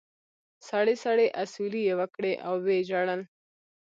سړې سړې اسوېلې یې وکړې او و یې ژړل.